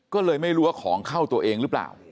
ก็เลยไม่รู้ว่าของเข้าตัวเองหรือเปล่า